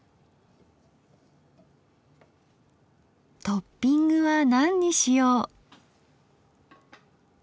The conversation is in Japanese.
トッピングは何にしよう。